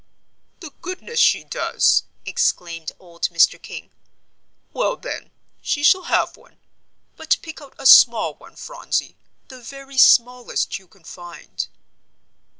"The goodness, she does!" exclaimed old Mr. King, "Well then, she shall have one. But pick out a small one, Phronsie, the very smallest you can find."